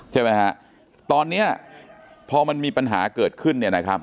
ใช่ไหมตอนนี้พอมันมีปัญหาเกิดขึ้น